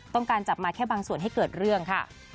จับมาแค่บางส่วนให้เกิดเรื่องค่ะ